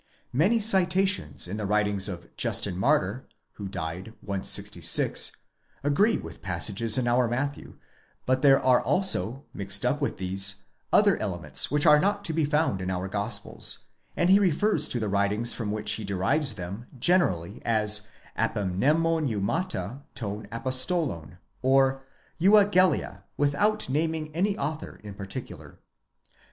Many citations in the writings of Justin Martyr (who died 166) agree with passages in our Matthew; but there are also, mixed up with these, other elements which are not to be found in our Gospels; and he refers to the writings from which he derives them generally as ἀπομνημονεύματα τῶν αποστόλων, OY εὐαγγέλια, without naming any author in particular.